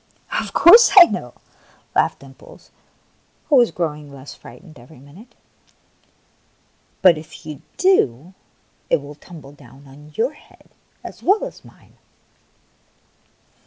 " Of course I know," laughed Dimples, who was growing less frightened every minute; *' but if you do, it will tumble down on your head as well as mine."